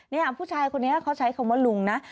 นี่ผู้ชายคนนี้เขาใช้คำว่าลุงนะ